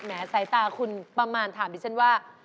สายตาคุณประมาณถามดิฉันว่า